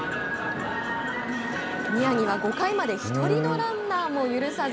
宮城は、５回まで１人のランナーも許さず